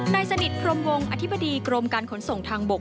นายสนิทพรมวงอธิบดีกรมการขนส่งทางบก